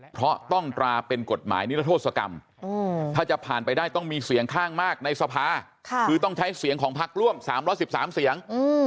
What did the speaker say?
เพราะต้องตราเป็นกฎหมายนิรโทษกรรมถ้าจะผ่านไปได้ต้องมีเสียงข้างมากในสภาคือต้องใช้เสียงของพักร่วม๓๑๓เสียง